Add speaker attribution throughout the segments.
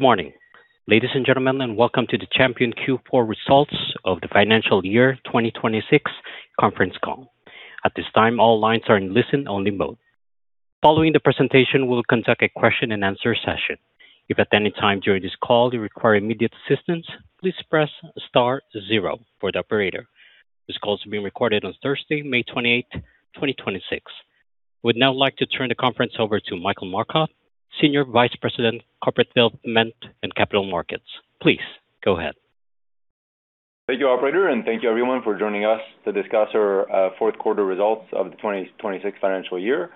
Speaker 1: Morning, ladies and gentlemen, and welcome to the Champion Q4 Results of the Financial Year 2026 Conference Call. At this time, all lines are in listen-only mode. Following the presentation, we'll conduct a question-and-answer session. If at any time during this call you require immediate assistance, please press star zero for the operator. This call is being recorded on Thursday, May 28th, 2026. I would now like to turn the conference over to Michael Marcotte, Senior Vice-President, Corporate Development and Capital Markets. Please go ahead.
Speaker 2: Thank you, operator, thank you everyone for joining us to discuss our fourth quarter results of the 2026 financial year.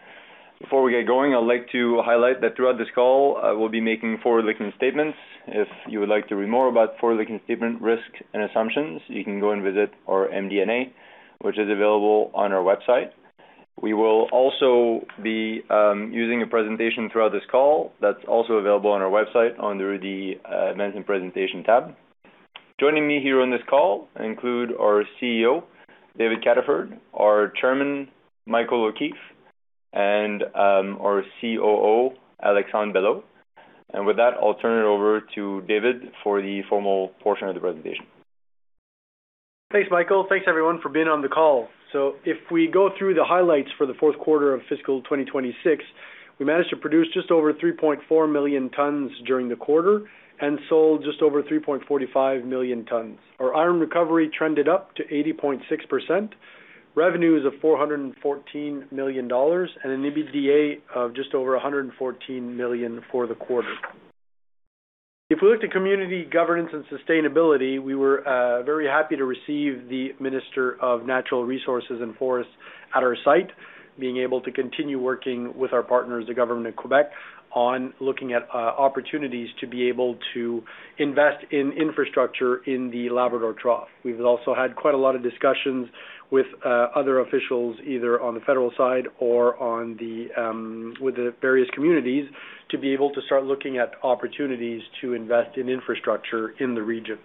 Speaker 2: Before we get going, I'd like to highlight that throughout this call, I will be making forward-looking statements. If you would like to read more about forward-looking statement risks and assumptions, you can go and visit our MD&A, which is available on our website. We will also be using a presentation throughout this call that's also available on our website under the Management Presentation tab. Joining me here on this call include our CEO, David Cataford, our Chairman, Michael O'Keeffe, our COO, Alexandre Belleau. With that, I'll turn it over to David for the formal portion of the presentation.
Speaker 3: Thanks, Michael. Thanks, everyone, for being on the call. If we go through the highlights for the fourth quarter of fiscal 2026, we managed to produce just over 3.4 million tons during the quarter and sold just over 3.45 million tons. Our iron recovery trended up to 80.6%. Revenues of 414 million dollars and an EBITDA of just over 114 million for the quarter. If we look at community governance and sustainability, we were very happy to receive the Minister of Natural Resources and Forests at our site, being able to continue working with our partners, the Government of Quebec, on looking at opportunities to be able to invest in infrastructure in the Labrador Trough. We've also had quite a lot of discussions with other officials, either on the federal side or with the various communities, to be able to start looking at opportunities to invest in infrastructure in the region.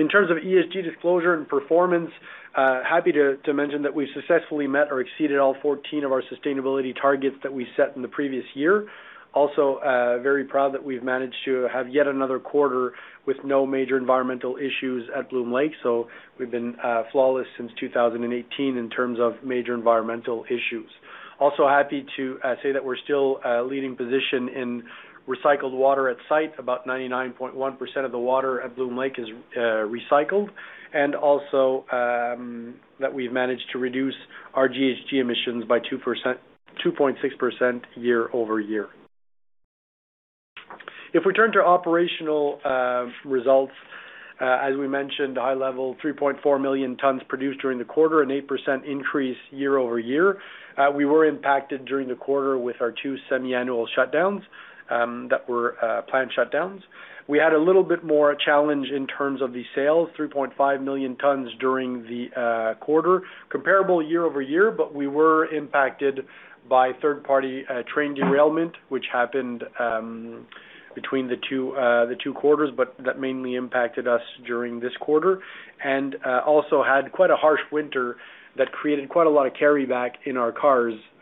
Speaker 3: In terms of ESG disclosure and performance, happy to mention that we've successfully met or exceeded all 14 of our sustainability targets that we set in the previous year. Also, very proud that we've managed to have yet another quarter with no major environmental issues at Bloom Lake. We've been flawless since 2018 in terms of major environmental issues. Also happy to say that we're still a leading position in recycled water at site. About 99.1% of the water at Bloom Lake is recycled, and also that we've managed to reduce our GHG emissions by 2.6% year-over-year. If we turn to operational results, as we mentioned, high-level 3.4 million tons produced during the quarter, an 8% increase year-over-year. We were impacted during the quarter with our two semi-annual shutdowns that were planned shutdowns. We had a little bit more challenge in terms of the sales, 3.5 million tons during the quarter, comparable year-over-year. We were impacted by third-party train derailment, which happened between the two quarters, but that mainly impacted us during this quarter. Also had quite a harsh winter that created quite a lot of carryback in our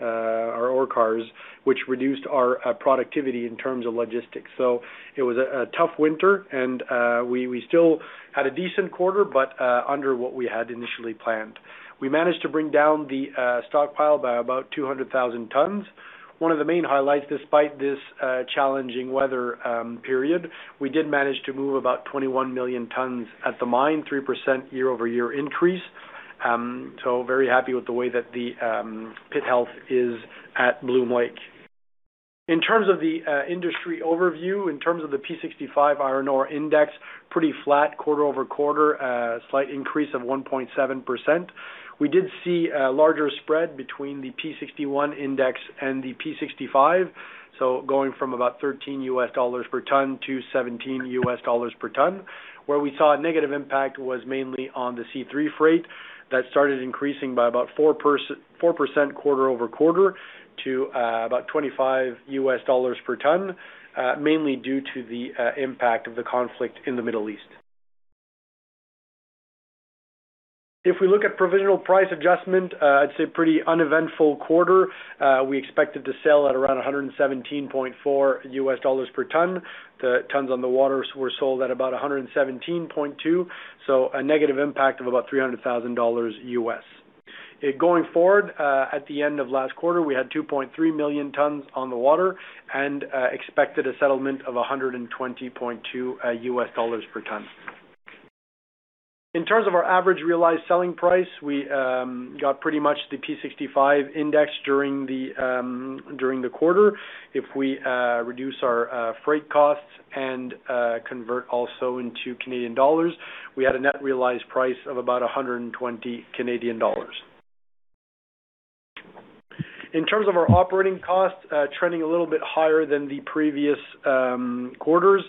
Speaker 3: ore cars, which reduced our productivity in terms of logistics. It was a tough winter. We still had a decent quarter, under what we had initially planned. We managed to bring down the stockpile by about 200,000 tons. One of the main highlights, despite this challenging weather period, we did manage to move about 21 million tons at the mine, 3% year-over-year increase. Very happy with the way that the pit health is at Bloom Lake. In terms of the industry overview, in terms of the P65 iron ore index, pretty flat quarter-over-quarter, a slight increase of 1.7%. We did see a larger spread between the P61 index and the P65. Going from about $13 per ton to $17 per ton. Where we saw a negative impact was mainly on the C3 freight that started increasing by about 4% quarter-over-quarter to about $25 per ton, mainly due to the impact of the conflict in the Middle East. If we look at provisional price adjustment, it's a pretty uneventful quarter. We expected to sell at around $117.4 per ton. The tons on the waters were sold at about $117.2, so a negative impact of about $300,000. Going forward, at the end of last quarter, we had 2.3 million tons on the water and expected a settlement of $120.2 per ton. In terms of our average realized selling price, we got pretty much the P65 index during the quarter. If we reduce our freight costs and convert also into Canadian dollars, we had a net realized price of about 120 Canadian dollars. In terms of our operating costs, trending a little bit higher than the previous quarters.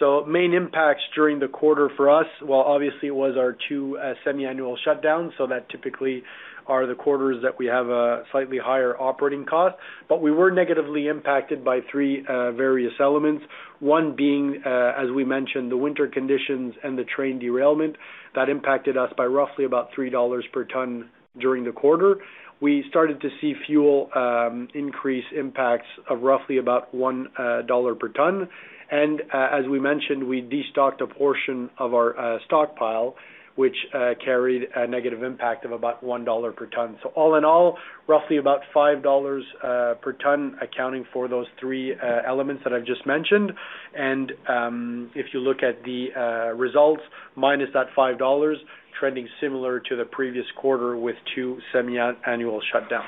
Speaker 3: Main impacts during the quarter for us, obviously it was our two semi-annual shutdowns, that typically are the quarters that we have a slightly higher operating cost. We were negatively impacted by three various elements. One being, as we mentioned, the winter conditions and the train derailment. That impacted us by roughly about 3 dollars per ton during the quarter. We started to see fuel increase impacts of roughly about 1 dollar per ton. As we mentioned, we destocked a portion of our stockpile, which carried a negative impact of about 1 dollar per ton. All in all, roughly about 5 dollars per ton, accounting for those three elements that I've just mentioned. If you look at the results, minus that 5 dollars, trending similar to the previous quarter with two semi-annual shutdowns.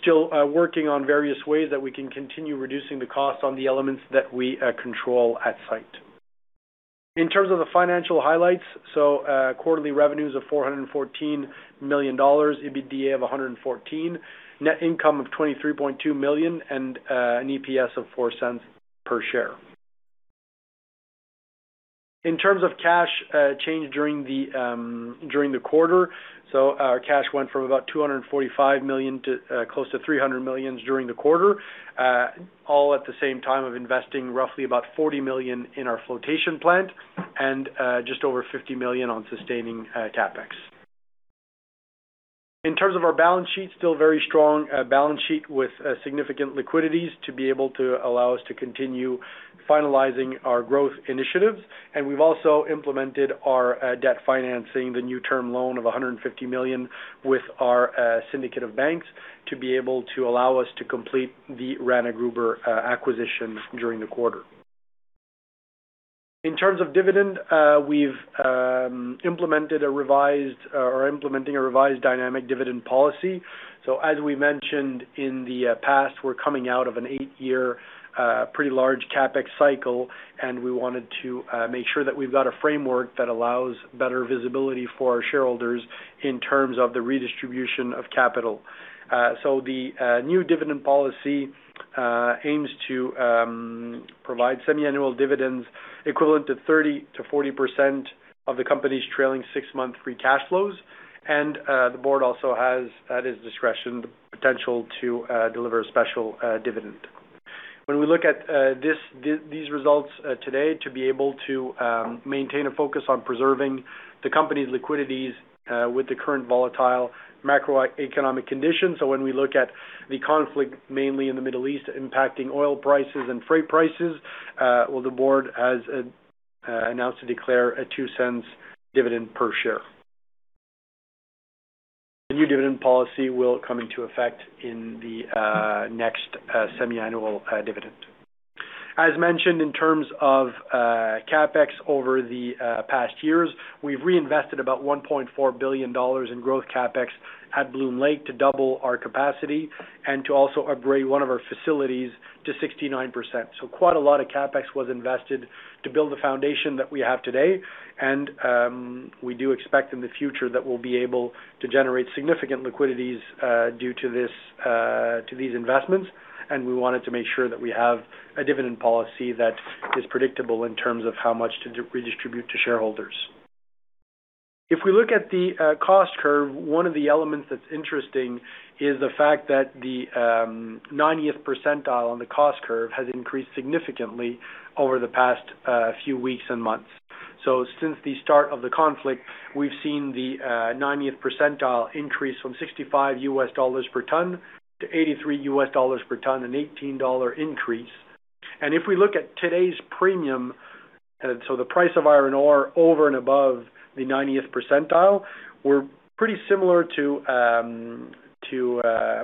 Speaker 3: Still working on various ways that we can continue reducing the cost on the elements that we control at site. In terms of the financial highlights, quarterly revenues of 414 million dollars, EBITDA of 114 million, net income of 23.2 million, and an EPS of 0.04 per share. In terms of cash change during the quarter, our cash went from about 245 million to close to 300 million during the quarter, all at the same time of investing roughly about 40 million in our flotation plant and just over 50 million on sustaining CapEx. In terms of our balance sheet, still very strong balance sheet with significant liquidities to be able to allow us to continue finalizing our growth initiatives. We've also implemented our debt financing, the new term loan of 150 million with our syndicate of banks, to be able to allow us to complete the Rana Gruber acquisition during the quarter. In terms of dividend, we're implementing a revised dynamic dividend policy. As we mentioned in the past, we're coming out of an eight-year, pretty large CapEx cycle, and we wanted to make sure that we've got a framework that allows better visibility for our shareholders in terms of the redistribution of capital. The new dividend policy aims to provide semi-annual dividends equivalent to 30%-40% of the company's trailing six-month free cash flows. The board also has, at its discretion, the potential to deliver a special dividend. When we look at these results today, to be able to maintain a focus on preserving the company's liquidities with the current volatile macroeconomic conditions. When we look at the conflict, mainly in the Middle East, impacting oil prices and freight prices, the board has announced to declare a 0.02 dividend per share. The new dividend policy will come into effect in the next semi-annual dividend. As mentioned, in terms of CapEx over the past years, we've reinvested about 1.4 billion dollars in growth CapEx at Bloom Lake to double our capacity and to also upgrade one of our facilities to 69%. Quite a lot of CapEx was invested to build the foundation that we have today, and we do expect in the future that we'll be able to generate significant liquidities due to these investments, and we wanted to make sure that we have a dividend policy that is predictable in terms of how much to redistribute to shareholders. If we look at the cost curve, one of the elements that's interesting is the fact that the 90th percentile on the cost curve has increased significantly over the past few weeks and months. Since the start of the conflict, we've seen the 90th percentile increase from $65 per ton-$83 per ton, an $18 increase. If we look at today's premium, so the price of iron ore over and above the 90th percentile, we're pretty similar to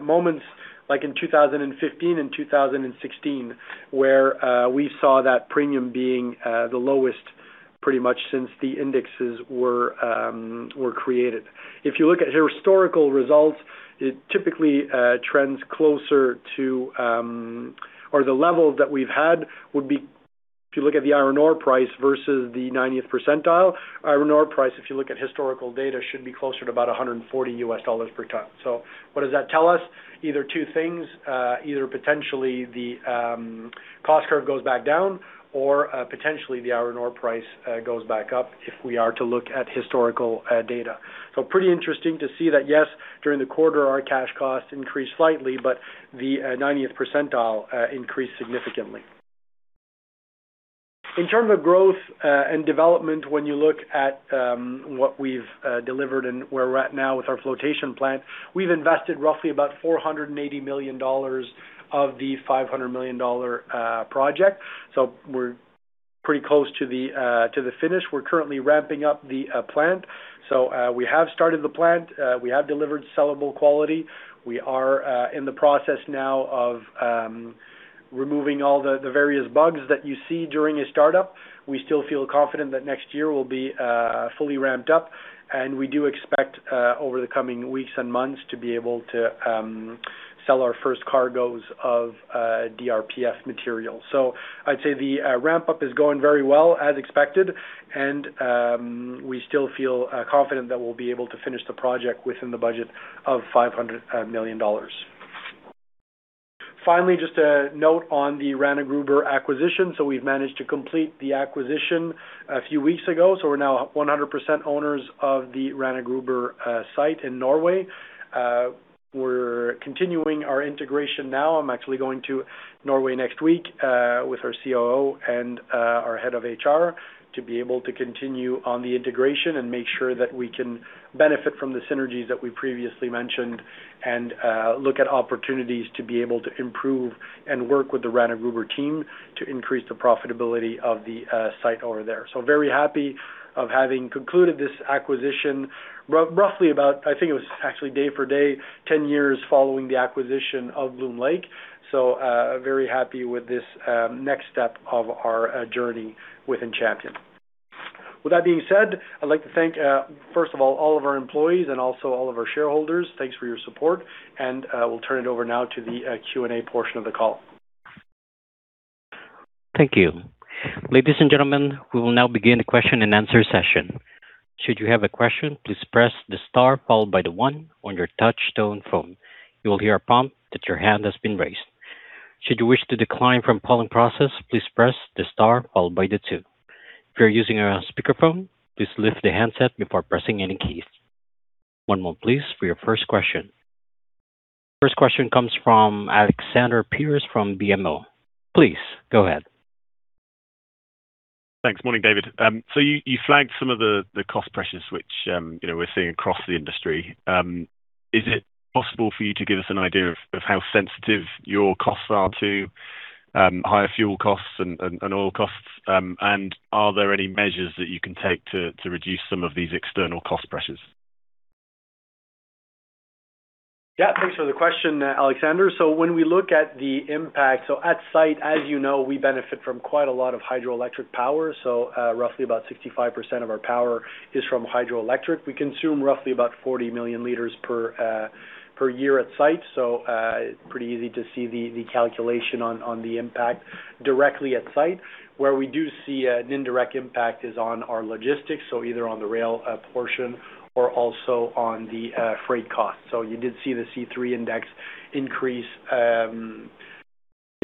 Speaker 3: moments like in 2015 and 2016, where we saw that premium being the lowest pretty much since the indexes were created. If you look at historical results, it typically trends closer to, or the levels that we've had would be, if you look at the iron ore price versus the 90th percentile, iron ore price, if you look at historical data, should be closer to about $140 per ton. What does that tell us? Either two things, either potentially the cost curve goes back down, or potentially the iron ore price goes back up if we are to look at historical data. Pretty interesting to see that, yes, during the quarter, our cash costs increased slightly, but the 90th percentile increased significantly. In terms of growth and development, when you look at what we've delivered and where we're at now with our flotation plant, we've invested roughly about 480 million dollars of the 500 million dollar project. We're pretty close to the finish. We're currently ramping up the plant. We have started the plant. We have delivered sellable quality. We are in the process now of removing all the various bugs that you see during a startup. We still feel confident that next year we'll be fully ramped up, and we do expect, over the coming weeks and months, to be able to sell our first cargoes of DRPF material. I'd say the ramp-up is going very well, as expected, and we still feel confident that we'll be able to finish the project within the budget of 500 million dollars. Finally, just a note on the Rana Gruber acquisition. We've managed to complete the acquisition a few weeks ago, so we're now 100% owners of the Rana Gruber site in Norway. We're continuing our integration now. I'm actually going to Norway next week with our COO and our head of HR to be able to continue on the integration and make sure that we can benefit from the synergies that we previously mentioned and look at opportunities to be able to improve and work with the Rana Gruber team to increase the profitability of the site over there. Very happy of having concluded this acquisition, roughly about, I think it was actually day for day, 10 years following the acquisition of Bloom Lake. Very happy with this next step of our journey within Champion. With that being said, I'd like to thank, first of all of our employees and also all of our shareholders. Thanks for your support, and we'll turn it over now to the Q&A portion of the call.
Speaker 1: Thank you. Ladies and gentlemen, we will now begin the question and answer session. Should you have a question, please press the star followed by the one on your touch tone phone. You will hear a prompt that your hand has been raised. Should you wish to decline from polling process, please press the star followed by the two. If you're using a speakerphone, please lift the handset before pressing any keys. One moment please for your first question. First question comes from Alexander Pearce from BMO. Please, go ahead.
Speaker 4: Thanks. Morning, David. You flagged some of the cost pressures, which we're seeing across the industry. Is it possible for you to give us an idea of how sensitive your costs are to higher fuel costs and oil costs? Are there any measures that you can take to reduce some of these external cost pressures?
Speaker 3: Thanks for the question, Alexander. When we look at the impact, at site, as you know, we benefit from quite a lot of hydroelectric power. Roughly about 65% of our power is from hydroelectric. We consume roughly about 40 million liters per year at site. Pretty easy to see the calculation on the impact directly at site. Where we do see an indirect impact is on our logistics, so either on the rail portion or also on the freight cost. You did see the C3 index increase in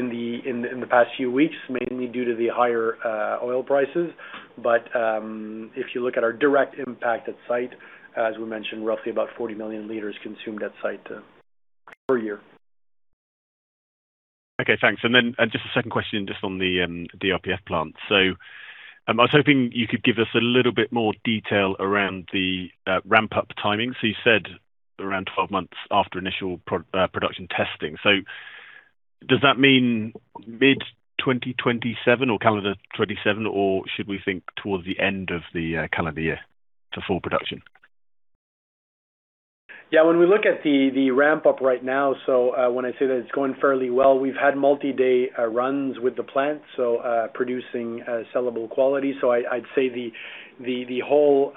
Speaker 3: the past few weeks, mainly due to the higher oil prices. If you look at our direct impact at site, as we mentioned, roughly about 40 million liters consumed at site per year.
Speaker 4: Okay, thanks. Just a second question just on the DRPF plant. I was hoping you could give us a little bit more detail around the ramp-up timing. You said around 12 months after initial production testing. Does that mean mid-2027 or calendar 2027, or should we think towards the end of the calendar year for full production?
Speaker 3: When we look at the ramp-up right now, when I say that it's going fairly well, we've had multi-day runs with the plant, producing sellable quality. I'd say the whole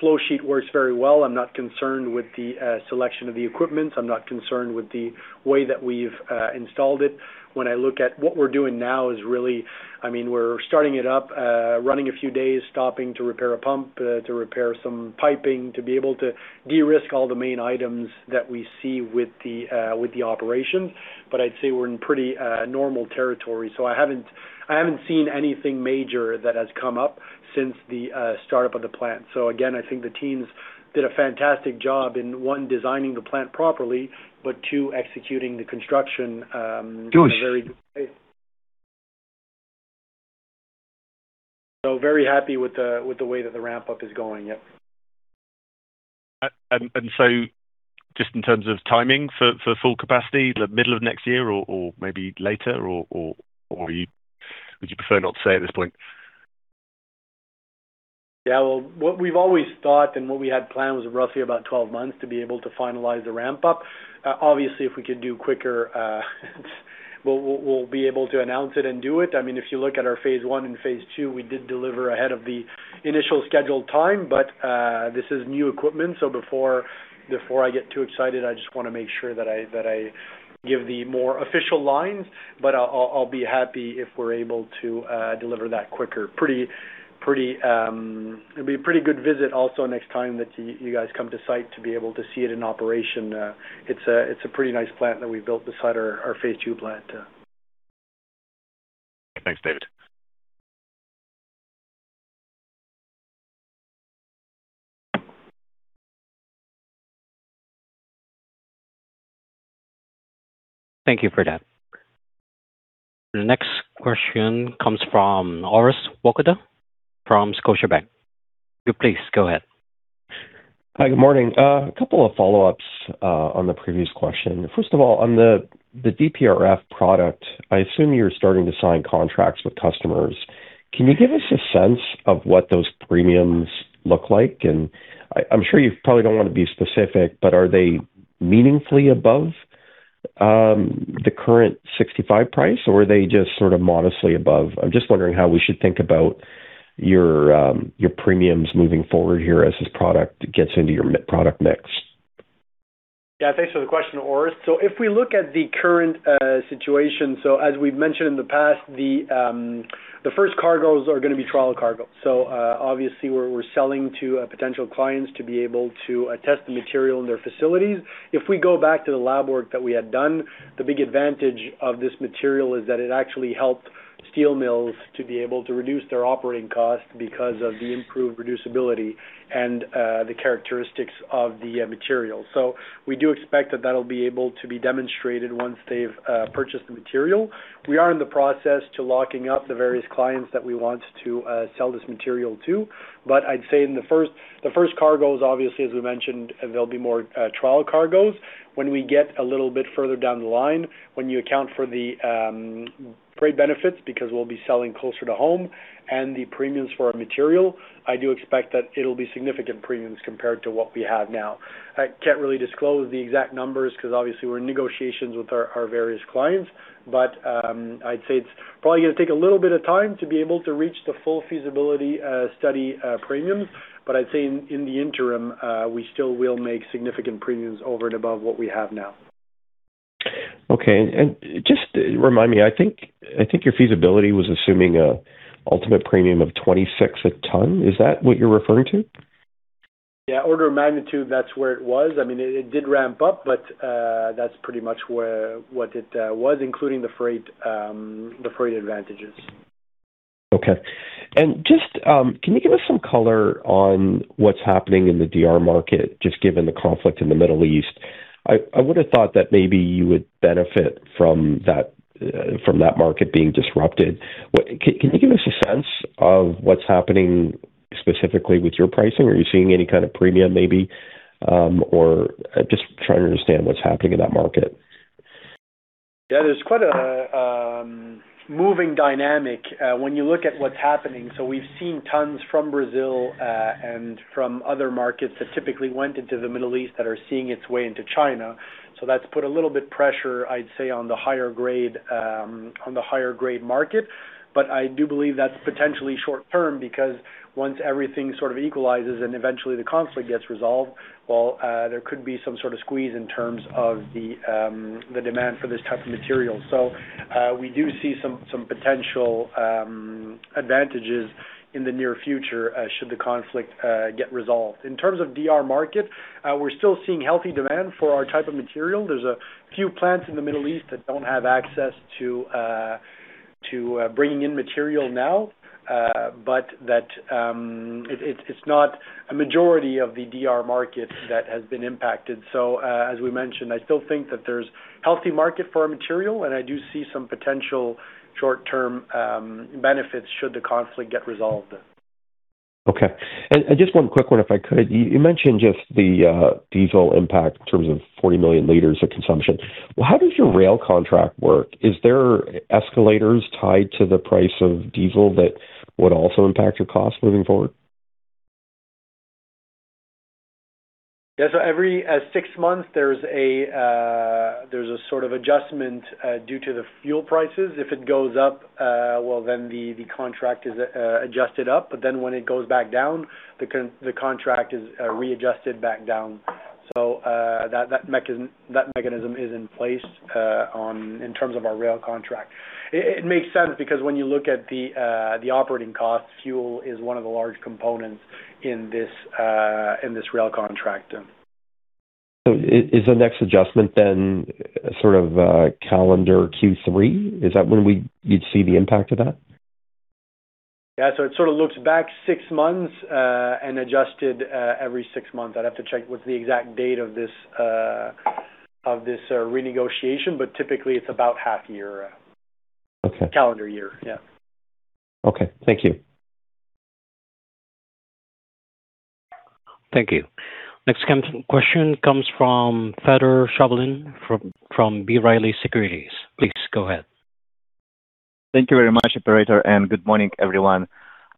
Speaker 3: flow sheet works very well. I'm not concerned with the selection of the equipment. I'm not concerned with the way that we've installed it. When I look at what we're doing now, we're starting it up, running a few days, stopping to repair a pump, to repair some piping, to be able to de-risk all the main items that we see with the operation. I'd say we're in pretty normal territory. I haven't seen anything major that has come up since the start-up of the plant. Again, I think the teams did a fantastic job in, one, designing the plant properly, but two, executing the construction in a very good way. Very happy with the way that the ramp-up is going. Yep.
Speaker 4: Just in terms of timing for full capacity, the middle of next year or maybe later, or would you prefer not to say at this point?
Speaker 3: Yeah. Well, what we've always thought and what we had planned was roughly about 12 months to be able to finalize the ramp-up. Obviously, if we could do quicker we'll be able to announce it and do it. If you look at our Phase I and Phase II, we did deliver ahead of the initial scheduled time. This is new equipment, so before I get too excited, I just want to make sure that I give the more official lines. I'll be happy if we're able to deliver that quicker. It'd be a pretty good visit also next time that you guys come to site to be able to see it in operation. It's a pretty nice plant that we've built beside our Phase II plant.
Speaker 4: Thanks, David.
Speaker 1: Thank you for that. The next question comes from Orest Wowkodaw from Scotiabank. You please go ahead.
Speaker 5: Hi, good morning. A couple of follow-ups on the previous question. First of all, on the DRPF product, I assume you're starting to sign contracts with customers. Can you give us a sense of what those premiums look like? I'm sure you probably don't want to be specific, but are they meaningfully above the current 65 price, or are they just modestly above? I'm just wondering how we should think about your premiums moving forward here as this product gets into your product mix.
Speaker 3: Yeah, thanks for the question, Orest. If we look at the current situation, as we've mentioned in the past, the first cargoes are going to be trial cargoes. Obviously we're selling to potential clients to be able to test the material in their facilities. If we go back to the lab work that we had done, the big advantage of this material is that it actually helped steel mills to be able to reduce their operating cost because of the improved reducibility and the characteristics of the material. We do expect that that'll be able to be demonstrated once they've purchased the material. We are in the process to locking up the various clients that we want to sell this material to. I'd say the first cargo is obviously, as we mentioned, they'll be more trial cargoes. When we get a little bit further down the line, when you account for the great benefits, because we'll be selling closer to home and the premiums for our material, I do expect that it'll be significant premiums compared to what we have now. I can't really disclose the exact numbers because obviously we're in negotiations with our various clients. I'd say it's probably going to take a little bit of time to be able to reach the full feasibility study premiums. I'd say in the interim, we still will make significant premiums over and above what we have now.
Speaker 5: Okay. Just remind me, I think your feasibility was assuming a ultimate premium of 26 a ton. Is that what you're referring to?
Speaker 3: Yeah, order of magnitude, that's where it was. It did ramp up, but that's pretty much what it was, including the freight advantages.
Speaker 5: Okay. Can you give us some color on what's happening in the DR market, just given the conflict in the Middle East? I would've thought that maybe you would benefit from that market being disrupted. Can you give us a sense of what's happening specifically with your pricing? Are you seeing any kind of premium maybe, or just trying to understand what's happening in that market.
Speaker 3: Yeah, there's quite a moving dynamic when you look at what's happening. We've seen tons from Brazil, and from other markets that typically went into the Middle East that are seeing its way into China. That's put a little bit pressure, I'd say, on the higher grade market. I do believe that's potentially short-term because once everything equalizes and eventually the conflict gets resolved, well, there could be some sort of squeeze in terms of the demand for this type of material. We do see some potential advantages in the near future, should the conflict get resolved. In terms of DR market, we're still seeing healthy demand for our type of material. There's a few plants in the Middle East that don't have access to bringing in material now. It's not a majority of the DR market that has been impacted. As we mentioned, I still think that there's healthy market for our material, and I do see some potential short-term benefits should the conflict get resolved.
Speaker 5: Okay. Just one quick one, if I could. You mentioned just the diesel impact in terms of 40 million liters of consumption. How does your rail contract work? Is there escalators tied to the price of diesel that would also impact your cost moving forward?
Speaker 3: Yeah. Every six months, there's a sort of adjustment due to the fuel prices. If it goes up, well, then the contract is adjusted up, but then when it goes back down, the contract is readjusted back down. That mechanism is in place in terms of our rail contract. It makes sense because when you look at the operating costs, fuel is one of the large components in this rail contract.
Speaker 5: Is the next adjustment sort of calendar Q3? Is that when you'd see the impact of that?
Speaker 3: Yeah. It sort of looks back six months, adjusted every six months. I'd have to check what's the exact date of this renegotiation, but typically it's about half year.
Speaker 5: Okay
Speaker 3: calendar year. Yeah.
Speaker 5: Okay. Thank you.
Speaker 1: Thank you. Next question comes from Fedor Shabalin from B. Riley Securities. Please go ahead.
Speaker 6: Thank you very much, operator, good morning, everyone.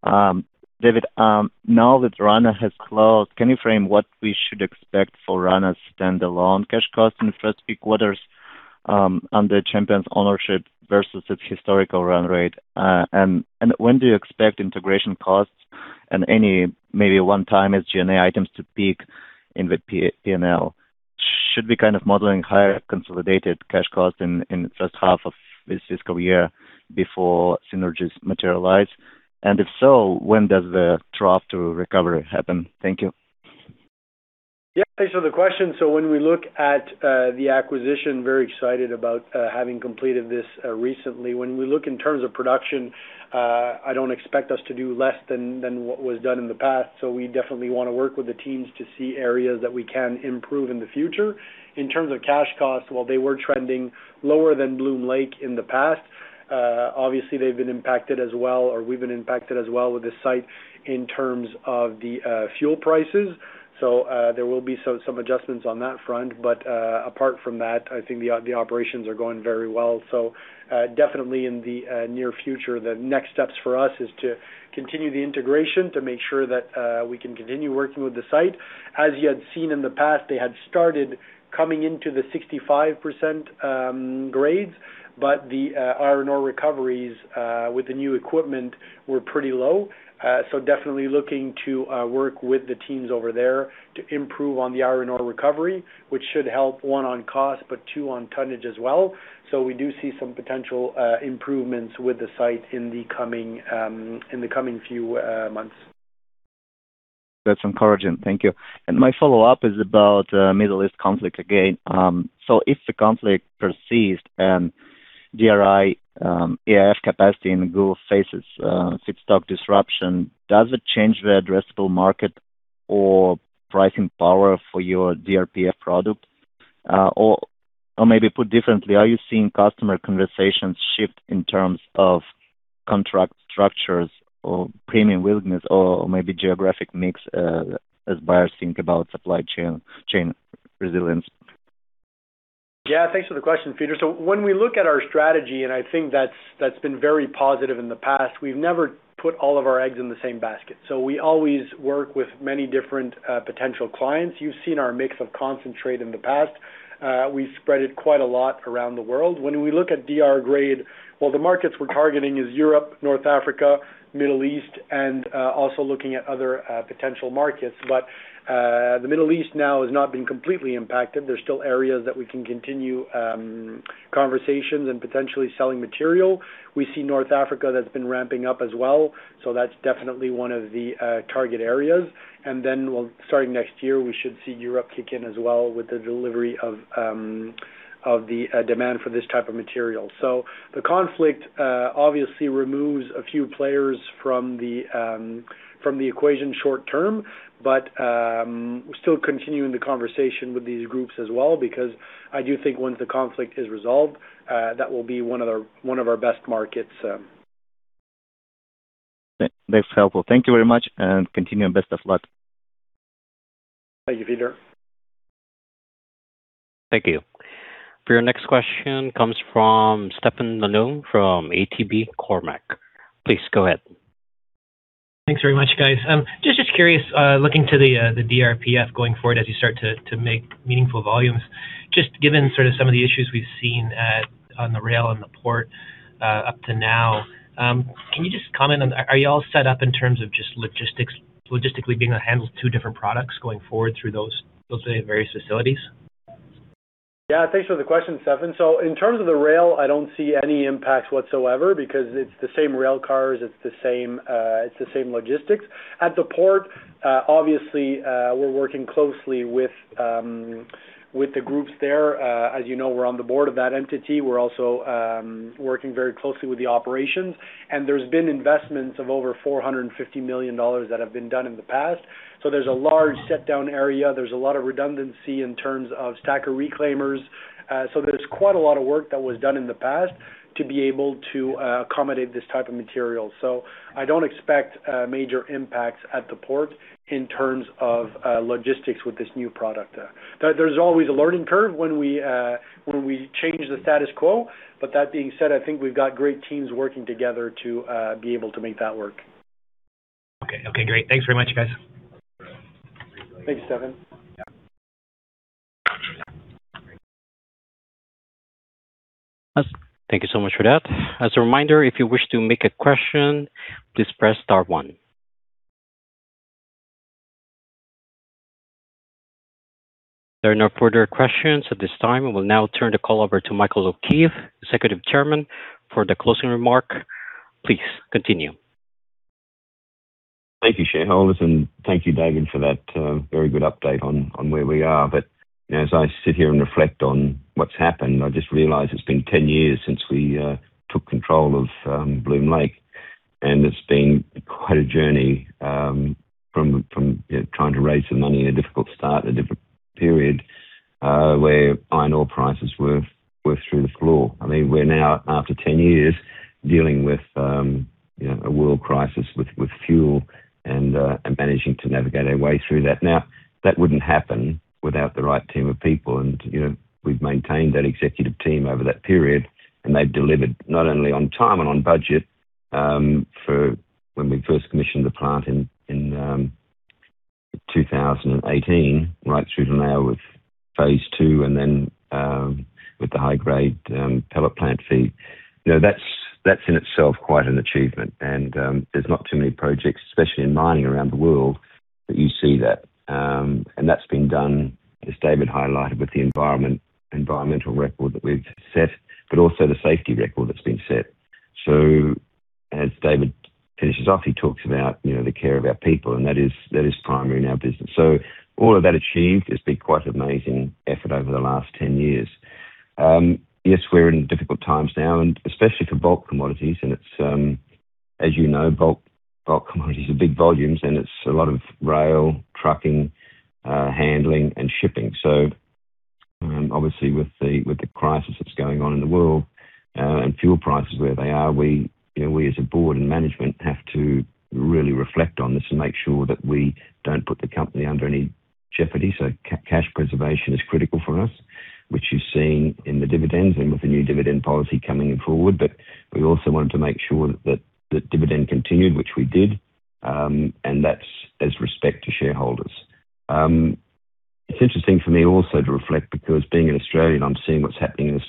Speaker 6: David, now that Rana has closed, can you frame what we should expect for Rana's standalone cash costs in the first few quarters, under Champion's ownership versus its historical run rate? When do you expect integration costs and any maybe one-time G&A items to peak in the P&L? Should we kind of modeling higher consolidated cash costs in the first half of this fiscal year before synergies materialize? If so, when does the trough to recovery happen? Thank you.
Speaker 3: Yeah, thanks for the question. When we look at the acquisition, very excited about having completed this recently. We definitely want to work with the teams to see areas that we can improve in the future. In terms of cash costs, while they were trending lower than Bloom Lake in the past, obviously they've been impacted as well, or we've been impacted as well with this site in terms of the fuel prices. There will be some adjustments on that front. Apart from that, I think the operations are going very well. Definitely in the near future, the next steps for us is to continue the integration to make sure that we can continue working with the site. As you had seen in the past, they had started coming into the 65% grades, but the iron ore recoveries, with the new equipment, were pretty low. Definitely looking to work with the teams over there to improve on the iron ore recovery, which should help, one, on cost, but two, on tonnage as well. We do see some potential improvements with the site in the coming few months.
Speaker 6: That's encouraging. Thank you. My follow-up is about Middle East conflict again. If the conflict persists and DRI, EAF capacity in the Gulf faces feedstock disruption, does it change the addressable market or pricing power for your DRPF product? Maybe put differently, are you seeing customer conversations shift in terms of contract structures or premium willingness or maybe geographic mix, as buyers think about supply chain resilience?
Speaker 3: Yeah, thanks for the question, Fedor. When we look at our strategy, and I think that's been very positive in the past, we've never put all of our eggs in the same basket. We always work with many different potential clients. You've seen our mix of concentrate in the past. We've spread it quite a lot around the world. When we look at DR grade, well, the markets we're targeting is Europe, North Africa, Middle East, and also looking at other potential markets. The Middle East now has not been completely impacted. There's still areas that we can continue conversations and potentially selling material. We see North Africa that's been ramping up as well. That's definitely one of the target areas. Starting next year, we should see Europe kick in as well with the delivery of the demand for this type of material. The conflict obviously removes a few players from the equation short-term, but we're still continuing the conversation with these groups as well, because I do think once the conflict is resolved, that will be one of our best markets.
Speaker 6: That's helpful. Thank you very much. Continue. Best of luck.
Speaker 3: Thank you, Fedor.
Speaker 1: Thank you. For your next question comes from Stefan Ioannou from ATB Cormark. Please go ahead.
Speaker 7: Thanks very much, guys. Just curious, looking to the DRPPF going forward as you start to make meaningful volumes, just given sort of some of the issues we've seen on the rail and the port up to now, can you just comment on, are you all set up in terms of just logistically being able to handle two different products going forward through those various facilities?
Speaker 3: Thanks for the question, Stefan. In terms of the rail, I don't see any impacts whatsoever because it's the same rail cars, it's the same logistics. At the port, obviously, we're working closely with the groups there. As you know, we're on the board of that entity. We're also working very closely with the operations. There's been investments of over 450 million dollars that have been done in the past. There's a large set down area. There's a lot of redundancy in terms of stacker reclaimers. There's quite a lot of work that was done in the past to be able to accommodate this type of material. I don't expect major impacts at the port in terms of logistics with this new product. There's always a learning curve when we change the status quo. That being said, I think we've got great teams working together to be able to make that work.
Speaker 7: Okay, great. Thanks very much, guys.
Speaker 3: Thanks, Stefan.
Speaker 1: Thank you so much for that. As a reminder, if you wish to make a question, please press star one. There are no further questions at this time. We will now turn the call over to Michael O'Keeffe, Executive Chairman, for the closing remark. Please continue.
Speaker 8: Thank you, shareholders, and thank you, David, for that very good update on where we are. As I sit here and reflect on what's happened, I just realize it's been 10 years since we took control of Bloom Lake, and it's been quite a journey from trying to raise the money in a difficult start, a difficult period, where iron ore prices were through the floor. I mean, we're now after 10 years dealing with a world crisis with fuel and managing to navigate our way through that. Now, that wouldn't happen without the right team of people. We've maintained that executive team over that period, and they've delivered not only on time and on budget for when we first commissioned the plant in 2018, right through to now with phase II and then with the high-grade pellet plant feed. That's in itself quite an achievement. There's not too many projects, especially in mining around the world, that you see that. That's been done, as David highlighted, with the environmental record that we've set, but also the safety record that's been set. As David finishes off, he talks about the care of our people, and that is primary in our business. All of that achieved has been quite an amazing effort over the last 10 years. Yes, we're in difficult times now, and especially for bulk commodities, and it's, as you know, bulk commodities are big volumes, and it's a lot of rail, trucking, handling, and shipping. Obviously with the crisis that's going on in the world and fuel prices where they are, we as a board and management have to really reflect on this and make sure that we don't put the company under any jeopardy. Cash preservation is critical for us, which you've seen in the dividends and with the new dividend policy coming forward. We also wanted to make sure that dividend continued, which we did, and that's as respect to shareholders. It's interesting for me also to reflect because being an Australian, I'm seeing what's happening in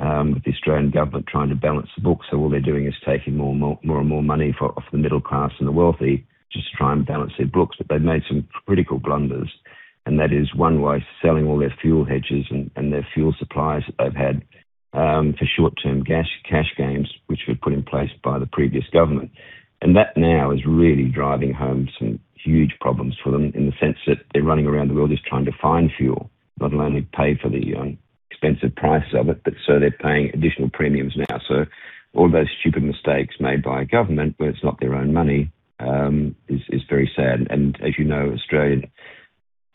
Speaker 8: Australia with the Australian government trying to balance the books. All they're doing is taking more and more money off the middle class and the wealthy just to try and balance their books. They've made some critical blunders, and that is, one, selling all their fuel hedges and their fuel supplies that they've had for short-term cash gains, which were put in place by the previous government. That now is really driving home some huge problems for them in the sense that they're running around the world just trying to find fuel, not only pay for the expensive price of it, but so they're paying additional premiums now. All those stupid mistakes made by a government where it's not their own money is very sad. As you know, Australia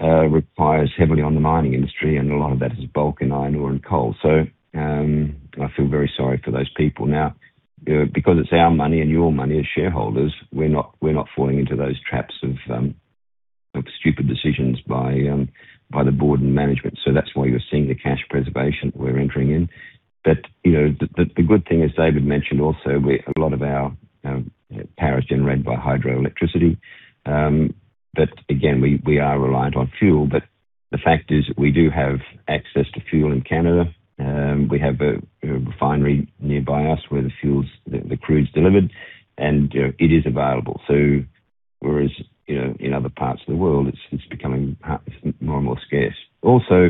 Speaker 8: relies heavily on the mining industry, and a lot of that is bulk and iron ore and coal. I feel very sorry for those people. Now, because it's our money and your money as shareholders, we're not falling into those traps of stupid decisions by the board and management. That's why you're seeing the cash preservation we're entering in. The good thing, as David mentioned also, a lot of our power is generated by hydroelectricity. Again, we are reliant on fuel. The fact is, we do have access to fuel in Canada. We have a refinery nearby us where the crude is delivered, it is available. Whereas, in other parts of the world, it's becoming more and more scarce. Also,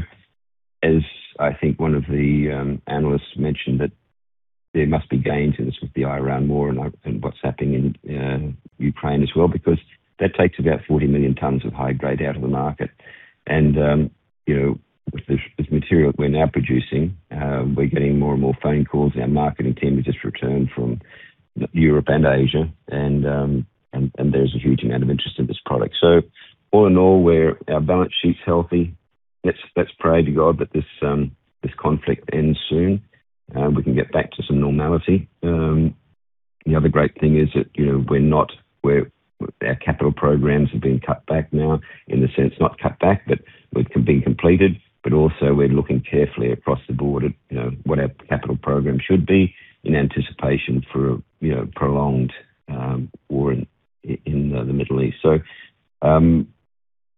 Speaker 8: as I think one of the analysts mentioned, that there must be gains in this with the Iran war and what's happening in Ukraine as well, because that takes about 40 million tons of high-grade out of the market. With this material we're now producing, we're getting more and more phone calls. Our marketing team has just returned from Europe and Asia, there's a huge amount of interest in this product. All in all, our balance sheet's healthy. Let's pray to God that this conflict ends soon, we can get back to some normality. The other great thing is that our capital programs have been cut back now in the sense, not cut back, but being completed. Also we're looking carefully across the board at what our capital program should be in anticipation for a prolonged war in the Middle East. I'm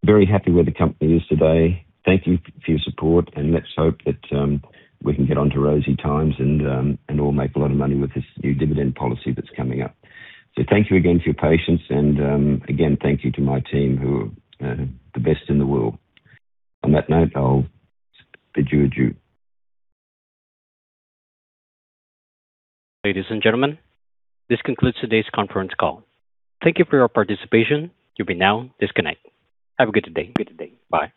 Speaker 8: very happy where the company is today. Thank you for your support and let's hope that we can get on to rosy times and all make a lot of money with this new dividend policy that's coming up. Thank you again for your patience and, again, thank you to my team who are the best in the world. On that note, I'll bid you adieu.
Speaker 1: Ladies and gentlemen, this concludes today's conference call. Thank you for your participation. You may now disconnect. Have a good day. Bye.